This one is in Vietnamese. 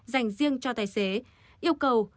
dành riêng cho tài xế yêu cầu